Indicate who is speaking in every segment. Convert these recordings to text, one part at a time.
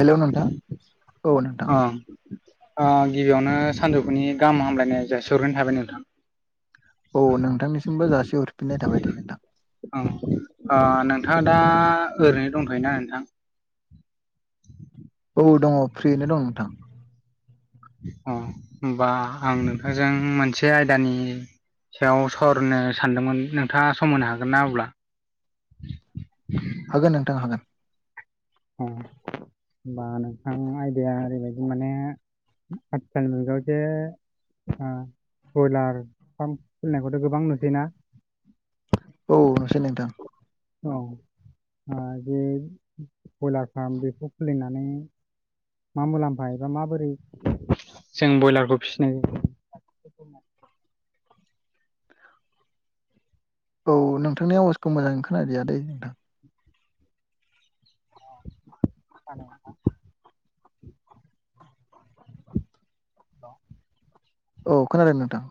Speaker 1: Hello नोंथां औ नोंथां
Speaker 2: ओं गिबियावनो सानजौफुनि गाहाम हामलायनाय जासिहरग्रोनाय थाबाय नोंथां
Speaker 1: औ नोंथांनिसिमबो जासे हरफिननाय थाबाय दे नोंथां
Speaker 2: ओं ओ नोंथाङा दा ओरैनो दंखायोना नोंथां
Speaker 1: औ दङ फ्रियैनो दं नोंथां
Speaker 2: अ होमबा आं नोंथांजों मोनसे आयदानि सायाव सावरायनो सानदोंमोन नोंथाङा सम होनो हागोन ना अब्ला
Speaker 1: होगोन नोंथां हागोन
Speaker 2: होमबा नोंथां आयदाया ओरैबायदि माने आथिखल मुगायाव जे ओ ब्रयलार फार्म खुलिनायखौथ' गोबां नुसैना
Speaker 1: औ नुसै नोंथां
Speaker 2: औ ओ बे बयलार फार्म बेखौ खुलिनानै मा मुलाम्फा एबा माबोरै जों ब्रयलारखौ फिसिनो [inaudible]
Speaker 1: औ नोंथांनि आवाजखौ मोजाङै खोनादिया दै नोंथां
Speaker 2: [inaudible] औ
Speaker 1: औ खोनादों नोंथां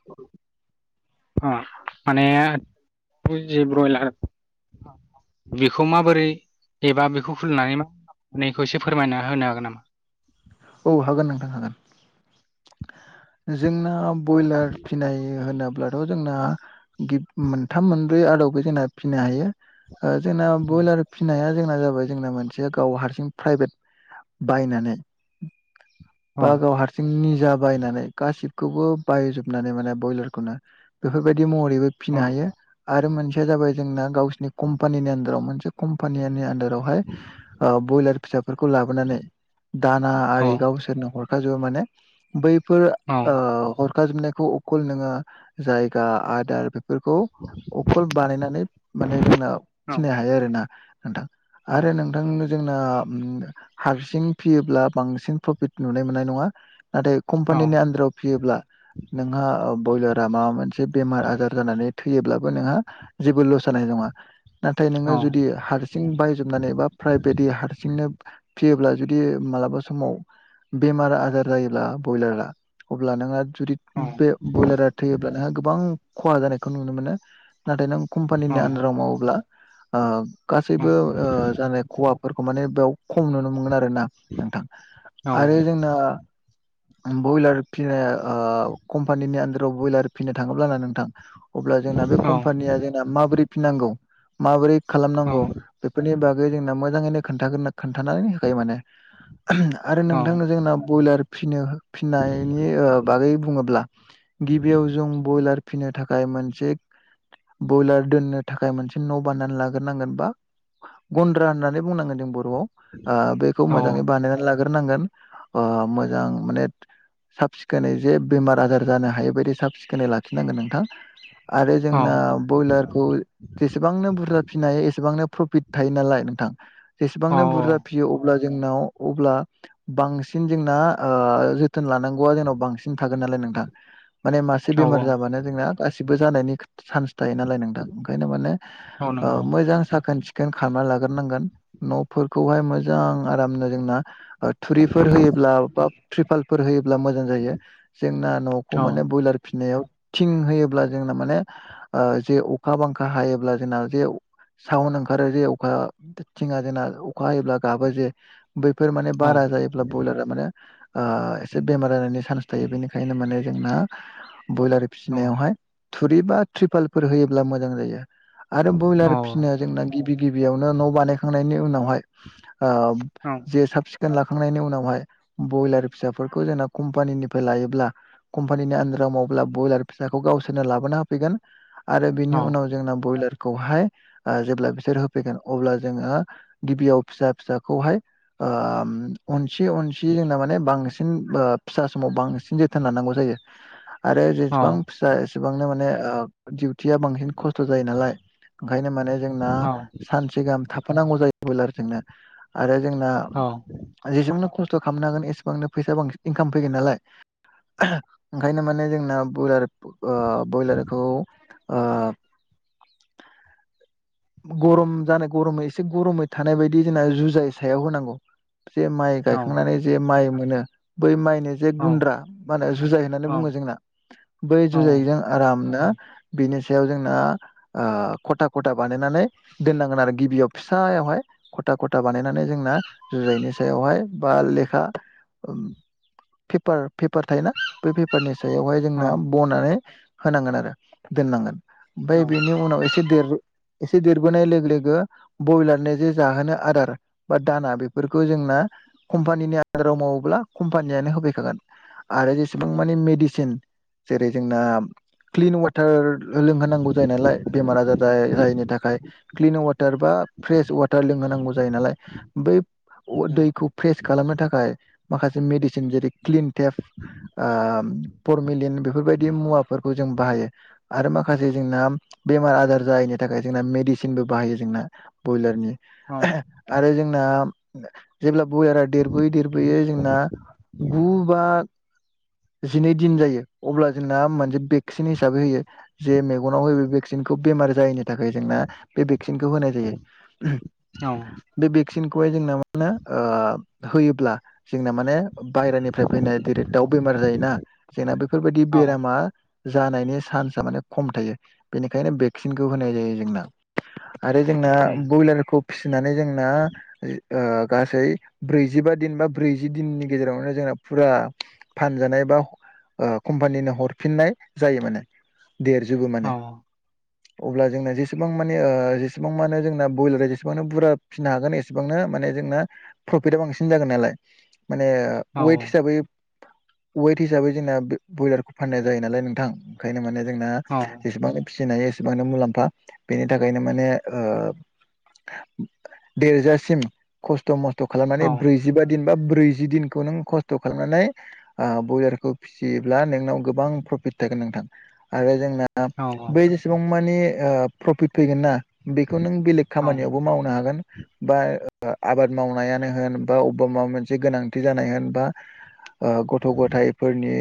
Speaker 2: अ माने ब्रयलार बेखौ माबोरै एबा बेखौ खुलिनानै मा खालाम नैखौ एसे फोरमायना होनो हागोन नामा
Speaker 1: औ हागोन नोंथां हागोन जोंना ब्रयलार फिनाय होनोब्ला ब्लाथ' जोंना मोनथाम मोनब्रै आदावबो जोंना फिनो हायो जोंना
Speaker 2: औ
Speaker 1: ब्रयलार फिनाया जोंना जाबाय जोंना मोनसेया गाव हारसिं प्राइभेट बायनानै
Speaker 2: औ
Speaker 1: बा गाव हारसिंनि बायनानै गासिखौबो बायजोबनानै माने बयलारखौनो बेफोरबायदि मह फिनो हायो आरो मोनसेया जाबाय जोंना गावसिनि कम्पानिनि आनदाराव कम्पानिनि आनदारावहाय बयलार फिसाखौ बेफोरखौ लाबोनानै दाना आरि गावसोरनो हरखाजोबो माने बै बेफोर
Speaker 2: औ
Speaker 1: ओ हरखाजोबनायखौ अकल नोङो जायगा आदार बे बेफोरखौ अखल बानायनानै माने जोंना फिनो हायो आरोना नोंथां
Speaker 2: औ
Speaker 1: आरो नोंथांनो जोंना हारसिं फियोब्ला बांसिन प्रफिट नुनाय मोननाय नङा नाथाय कम्पानिनि आन्दाराव फियोब्ला नोंहा ब्रयलारा माबा मोनसे बेमार आजार जानानै थैयोब्लाबो नोंहा जेबो लस जानाय नङा नाथाय
Speaker 2: औ
Speaker 1: नोङो जुदि हारसिं बायजोबनानै बबा प्राइभेटयै हारसिंनो फियोब्ला जुदि मालाबा समाव बेमार आजार जायोब्ला ब्रयलारा अब्ला नोंङो जुदि
Speaker 2: औ
Speaker 1: बे ब्रयलारा थैयोब्ला नोंहा गोबां खहा जानायखौ नुनो मोनो नाथाय नों
Speaker 2: औ
Speaker 1: कम्पानिनि आन्दाराव मावोब्ला ओ गासैबो जानाय खहा फोरखौ माने बेयाव खम नुनो मोनगोन आरोना नोंथां
Speaker 2: औ
Speaker 1: आरो जोंना बयलार फिनाया कम्पानिनि आन्दाराव ब्रयलार फिनो थाङोब्लाना नोंथां अब्ला जोंना बे कम्पानिया जोंना माबोरै फिनांगौ माबोरै खालामनांगौ बेफोरनि बागै जोंना मोजाङैनो खोनथाना होखायो माने आरो नोंथां जोंना बयलार फिनाय फिनायनि ओ बागै बुङोब्ला गिबियाव जों बयलार फिनो थाखाय मोनसे बयलार दोननो थाखाय मोनसे न' बानायनानै लाग्रोनांगोन बा गन्द्रा होननानै बुंनांगोन जों बर'आव आ बेखौ मोजाङै बानायनानै लाग ग्रोनांगोन मोजां माने साब सिखोनै जे बेमार आजार जानो हायै बायदि साब सिखोनै लाखिनांगोन नोंथां। आरो जोंना बयलारखौ जेसेबांनो बुरजा फिनाय हायो एसेबांनो प्र पिड थायो नालाय नोंथां
Speaker 2: औ
Speaker 1: जेसेबांनो बुरजा फियो अब्ला जोंनाव अब्ला बांसिन जोंना ओ जोथोन लानांगौवा जोंनाव बांसिन थागोन नालाय नोंथां माने मासे
Speaker 2: औ
Speaker 1: बेमार जाबानो जोंना गासिबो जानायनि सान्स थायो नालाय नोंथां ओंखायनो माने
Speaker 2: औ नंगौ
Speaker 1: मोजां साखोन सिखोन खालामना लाग्रोनांगोन न'फोरखौहाय मोजां आरामनो जोंना थुरिफोर होयोब्ला बा ट्रिपालफोर होयो ब्ला मोजां जायो जोंना न'खौ
Speaker 2: औ
Speaker 1: माने बयलार फिसिनायाव थिं होयोब्ला जोंना माने जे अखा बांखा हायोब्ला जोंना जे साउन ओंखारो जे अखा थिङा जोंना अखा हायोब्ला गाबो जे बैफोर माने
Speaker 2: औ
Speaker 1: बारा जायोब्ला बयलारा माने ओ एसे बेमार जानायनि सान्स थायो बेनिखायनो माने जोंना बयलार
Speaker 2: औ
Speaker 1: फिसिनायावहाय थुरि बा ट्रिपालफोर होयोब्ला मोजां जायो। आरो बयलार
Speaker 2: औ
Speaker 1: फिसिनाया जोंना गिबि गिबियावनो न' बानायखांनायनि उनावहाय ओ
Speaker 2: औ
Speaker 1: जे साब सिखन लाखांनायनि उनावहाय बयलार फिसाफोरखौ जोंना कम्पानिनिफ्राय लायोब्ला कम्पानिनि [unintelligible] बयलार फिसाखौ गावसोरनो लाबोना होफैगोन
Speaker 2: औ
Speaker 1: बिनि उनाव जोंना बयलार खौहाय जेब्ला बिसोर होफैगोन अब्ला जोङो गिबियाव फिसा फिसाखौहाय ओम‌ अनसि अनसि जोंना माने बांसि सिन ओ फिसा समाव बांसिन जोथोन लानांगौ जायो आरो
Speaker 2: औ
Speaker 1: जेसेबां फिसा बेसेबांनो माने आ दिउथिया बांसिन खस्थ' जायो नालाय ओंखायनो माने जोंना सानसेगाहाम थाफानांगौ जायो आरो बयलारजोंनो। आरो जोंना
Speaker 2: औ औ
Speaker 1: जेसांनो खस्थ' खालामनो हागोन एसेबांनो फैसा बांसिन इनकाम फैगोन नालाय ओंखायनो माने जोंना बयलार आ बयलारखौ आ गरम जानाय गरमै एसे गरमै थानाय बायदि जोंना जुजाय सायाव होनांगौ। जे माइ गायखांनानै जे माइ मोनो बै माइनि जे गुन्द्रा मा होनो जुजाय होननानै बुङो जोंना बै जुजायजों आरामनो बिनि सायाव जोंना आ खथा खथा बानायनानै दोननांगोन आरो गिबियाव फिसायावहाय खथा खथा बानायनानै जोंना जुजायनि सायाव बा लेखा पेपार पेपार थायोना बै पेपारनि हायालहाय जोंना बनानै होनांगोन आरो दोननांगोन। ओमफ्राय बेनि उनाव एसे देर एसे देरबोनाय लोगो लोगो बयलारनो जे जाहोनो आदार बा दाना बेफोरखौ जोंना कम्पानिनि आनदाराव मावोब्ला कम्पानियानो होफैखागोन। आरो जेसेबां मानि मेडिसिन जेरै जोंना क्लिन वाटार लोंहोनांगौ जायो नालाय बेमार आजार जाय जायैनि थाखाय क्लिन वाटार बा फ्रेस वाटार लोंहोनांगौ जायो नालाय बै दैखौ फ्रेस खालामनो थाखाय माखासे मेडिसिन जेरै क्लिन टेप ऐ परमिलिन बेफोरबायदि मुवाफोरखौ जों बाहायो आरो माखासे जोंना बेमार आजार जायैनि नि थाखाय जोंना मेडिसिनबो बाहायो जोंना बयलारनि
Speaker 2: औ
Speaker 1: आरो जोंना जेब्ला बयलारा देरबोयै देरबोयै जोंना गु बा
Speaker 2: [inaudible]
Speaker 1: जिनै दिन जायो अब्ला जोंना मोनसे भेक्सिन हिसाबै होयो जे मेगनाव होयो बे भेक्सिनखौ बेमार जायैनि थाखाय जोंना बे भेक्सिनखौ होनाय जायो
Speaker 2: औ
Speaker 1: बे भेक्सिनखौहाय जोंना मो होनो होयोब्ला जोंना माने बायेरानिफ्राय फैनाय जेरै दाउ बेमार जायोना जोंना बेफोरबायदि
Speaker 2: औ
Speaker 1: बेरामा जानायनि चान्सआ माने खम थायो बेनिखायनो भेक्सिनखौ होनाय जायो जोंना आरो जोंना
Speaker 2: उम
Speaker 1: बयलारखौ फिसिनानै जोंना गासै ब्रैजिबा दिन बा ब्रैजि दिननि गेजेरावनो जोंना फुरा फानजानाय बा कम्पानिनो हरफिननाय जायो माने देरजोबो
Speaker 2: औ
Speaker 1: माने अब्ला जोंना जेसेबां माने ओ जेसेबां माने जोंना बयलार जेसेबांनो बुरजा फिसिनो हागोन एसेबांनो माने जोंना प्रफिटा बांसिन जागोन नालाय माने
Speaker 2: औ
Speaker 1: वेट हिसाबै वेट हिसाबै जोंना बे बयलारखौ फाननाय जायो नालाय नोंथां ओंखायनो माने जोंना
Speaker 2: औ
Speaker 1: जेसेबांनो फिसिनो हायो एसेबांनो मुलाम्फा बेनि थाखायनो माने ओ देरजासिम खस्थ' मस्थ'
Speaker 2: औ
Speaker 1: खालामनानै ब्रैजिबा दिन बा ब्रैजि दिनखौ नों खस्थ' खालामनानै आ बयलारखौ फिसियोब्ला नोंनाव गोबां प्रफिट प्रफिट थागोन नोंथां आरो जोंना
Speaker 2: औ
Speaker 1: बै जेसेबां मानि ओ प्रफिट फैगोन ना बेखौ नों बेलेग
Speaker 2: औ
Speaker 1: खामानियावबो मावनो हागोन बा ओ बा आबाद मावनायानो होन बा अबेबा माबा मोनसे गोनांथि जानाय होन बा ओ गथ' गथायाइफोरनि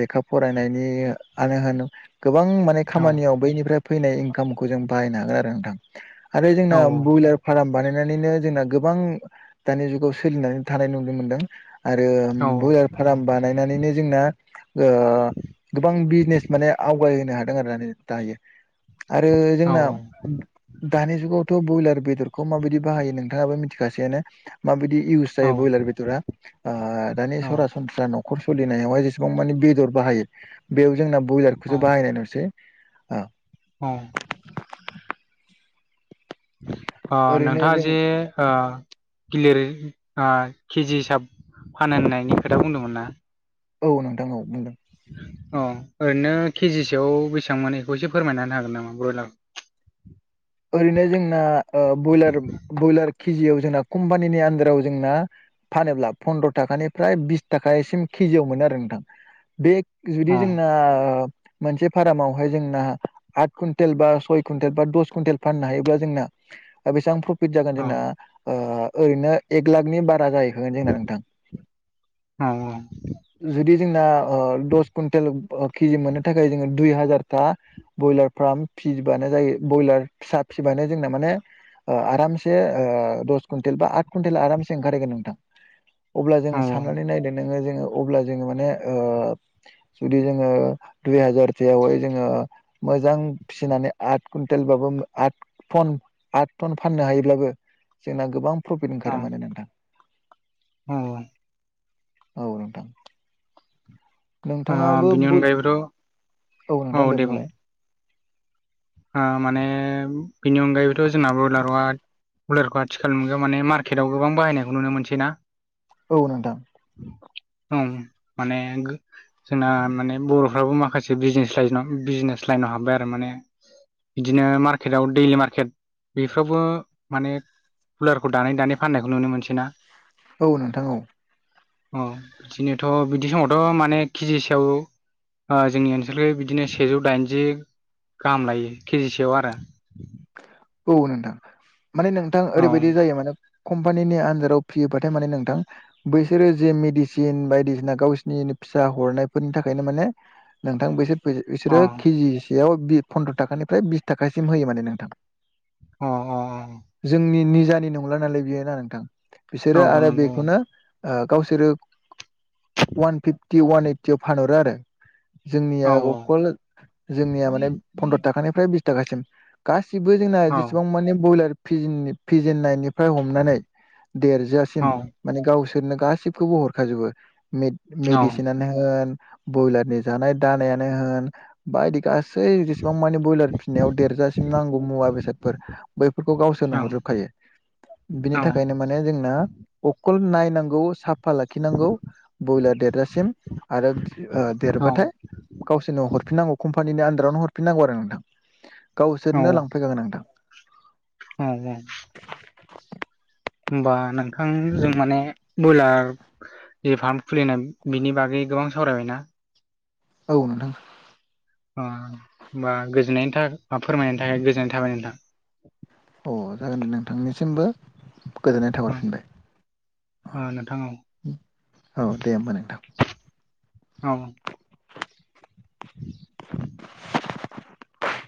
Speaker 1: लेखा फरायनायनि आनो होन गोबां माने
Speaker 2: औ
Speaker 1: खामानियाव बैनिफ्राय फैनाय इनकामखौ जों बाहायनो हागोन आरो नोंथां। आरो जोंना बइलार फार्म बानायनानैनो जोंना गोबां दानि जुगाव सोलिनानै थानाय नुनो मोनदों। आरो बयलार फार्म बानायनानैनो जोंना ओ गोबां बिजनेस माने आवगायहोनो हादों आरो दायो आरो
Speaker 2: औ
Speaker 1: जोंना दानि जुगावथ' बयलार बेदरखौ माबायदि बाहायो नोंथाङाबो मिथिखासैयानो माबायदि इउस
Speaker 2: औ
Speaker 1: जायो बयलार बिदरा आ दानि सरासनस्रा न' न'खर सलिनायावहाय जेसेबां माने बेदर बाहायो बेयाव जोंना बयलारखौसो बाहायनाय नुसै। ओ
Speaker 2: औ
Speaker 1: [inaudible]
Speaker 2: ओ
Speaker 1: ओरैनो
Speaker 2: नोंथाङा
Speaker 1: जों
Speaker 2: जे ओ खिलिरै ओ केजि हिसाब फानो होननायनि खोथा बुंदोंमोन ना
Speaker 1: औ नोंथां औ बुंदों।
Speaker 2: अ ओरैनो केजिसेआव बेसेबां मोनो बेखौ एसे फोरमायना होनो हागोन नामा ब्रयलार [inaudible]
Speaker 1: ओरैनो जोंना ओ बयलार ब्रयलार किजियाव जोंना कम्पानिनि आन्दाराव जोंना फानोब्ला फन्द्र' थाखानिफ्राय बिस थाखासिम किजियाव मोनो आरो नोंथां बे जुदि
Speaker 2: अ
Speaker 1: जोंना मोनसे फार्मावहाय जोंना आठ कुइन्टेल बा सय कुइन्टेल बा दस कुइन्टेल फाननो हायोब्ला जोंना ओ बेसेबां प्रफिट जागोन
Speaker 2: अ
Speaker 1: जोंना ओ ओरैनो एक लाखनि बारा जाहैखागोन जोंना नोंथां।
Speaker 2: औ
Speaker 1: जुदि जोंना ओ दस कुन्टेल ओ किजि मोननो थाखाय जोङो दुइ हाजारथा बयलार फार्म फिबानो जायो ब्रयलार फिसा फिबानो जोंना माने आरामसे ओ दस कुइन्टेल बा आथ कुन्टेल आरामसे ओंखारहैगोन नोंथां।
Speaker 2: [inaudible]
Speaker 1: अब्ला जोङो साननानै नायदो नोङो जोङो अब्ला जोङो माने जुदि जोङो दुइ हाजारथायावहाय जोङो मोजां फिसिनानै आठ कुन्टेलबाबो आट टन आट टन फाननो हायोब्लाबो जोंना गोबां प्रफिट
Speaker 2: औ
Speaker 1: ओंखारो माने नोंथां
Speaker 2: औ
Speaker 1: औ नोंथां
Speaker 2: ओ
Speaker 1: नोंथाङाबो
Speaker 2: बिनि
Speaker 1: बय
Speaker 2: अनगायैबोथ'
Speaker 1: औ नोंथां दे बुंलाय
Speaker 2: ओ माने बेनि अनगायैबोथ' जोंना बयलाराव हाय बयलारखौ आथिखाल नुगोन माने मार्केटआव गोबां बाहायनायखौ नुनो मोनसै ना
Speaker 1: औ नोंथां
Speaker 2: औ माने गो जोंना माने बर'फ्राबो माखासे बिजनेस ला बिजनेस लाइ नाव हाबबाय आरो माने बिदिनो मार्केटआव दैलि मार्केट बेफ्रावबो माने बयलारखौ दानै दानै फाननायखौ नुनो मोनसै ना
Speaker 1: औ नोंथां औ
Speaker 2: अ बिदिनोथ' बिदि समावथ' माने केजि सायाव जोंनि ओनसोलख बिदिनो सेजौ दाइनजि गाहाम लायो केजिसेयाव आरो
Speaker 1: औ नोंथां माने नोंथां
Speaker 2: औ
Speaker 1: ओरैबायदि जायो माने कम्पानिनि आनजादाव फियोबाथाय माने नोंथां बैसोरो जे मेडिसिन बायदिसिना गावसिनि फिसा हरनायफोरनि थाखायनो माने नोंथां बिसोर
Speaker 2: अ
Speaker 1: बिसोरो केजिसेयाव बि फन्द्र' थाखानिफ्राय बिस थाखासिम होयो माने नोंथां
Speaker 2: अ अ अ
Speaker 1: बिजानि नंला नालाय बियो ना नोंथां बिसोरो
Speaker 2: औ औ
Speaker 1: आरो
Speaker 2: नंगौ
Speaker 1: बेखौनो गावसोरो वान फिफ्टि वान ओइटियाव फानहरो आरो जोंनिया
Speaker 2: औ औ
Speaker 1: अकल जोंनिया माने फन्द्र थाखानिफ्राय बिस थाखासिम गासिबो जोंना
Speaker 2: औ
Speaker 1: जेसेबां माने बइलार फिजिन फिजिननायनि फ्राय हमनानै
Speaker 2: औ
Speaker 1: देरजआसिम माने गावसोरनो गासिबखौबो हरखाजोबो मेडिसिनानो होन ब्रयलारनि जानाय दानायानो होन बायदि गासि सै जेसेबां मानि ब्रयलार फिसिनायाव देरजासिम नांगौ मुवा बेसादफोर बैफोरखौ गावसोरनो हरजोबखायो।
Speaker 2: औ
Speaker 1: बिनि थाखायनो माने जोंना अखल नायनांगौ सा फा लाखिनांगौ ब्रयलार देरजासिम आरो
Speaker 2: औ
Speaker 1: देरबाथाय गावसोरनो हरफिनांग कम्पानिनि आ रावनो हरफिनांगौ आरो नोंथां
Speaker 2: औ
Speaker 1: गावसोरनो लांफैखागोन नोंथां
Speaker 2: औ होमबा नोंथांजों माने बयलार ज फार्म खुलिनाय बिनि बागै गोबां सावरायबायना
Speaker 1: औ नोंथां
Speaker 2: ओ होमबा गोजोननायनि थाखाय बा फोरमायनायनि थाखाय गोजोननाय थाबाय नोंथां
Speaker 1: अ जागोन दे नोंथांनिसिमबो गोजोननाय
Speaker 2: औ
Speaker 1: थाहरफिनबाय।
Speaker 2: ओ नोंथां औ
Speaker 1: औ दे होमबा नोंथां।
Speaker 2: औ [inaudible]
Speaker 1: [inaudible]